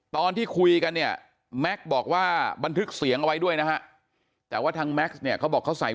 ตอนที่คุยกันเนี่ยแม็กซ์บอกว่าบันทึกเสียงเอาไว้ด้วยนะฮะแต่ว่าทางแม็กซ์เนี่ยเขาบอกเขาใส่